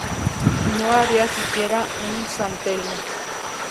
No había siquiera un San Telmo.